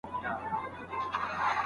لوستې نجونې په غونډو کې روښانه خبرې کوي.